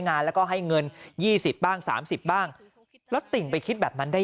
งานแล้วก็ให้เงิน๒๐บ้าง๓๐บ้างแล้วติ่งไปคิดแบบนั้นได้